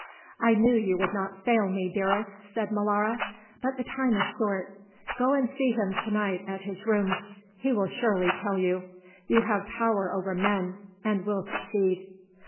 "I knew you would not fail me, dearest," said Molara. "But the time is short; go and see him to night at his rooms. He will surely tell you. You have power over men and will succeed."